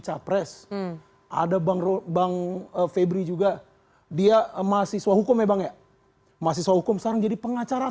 capres ada bang bang febri juga dia mahasiswa hukum ya bang ya mahasiswa hukum sekarang jadi pengacara